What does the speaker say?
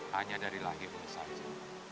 hanya dari lahirnya saja